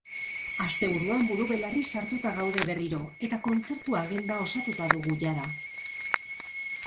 Asteburuan buru belarri sartuta gaude berriro, eta kontzertu agenda osatuta dugu jada.